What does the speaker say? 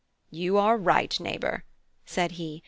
"You are right, neighbour," said he.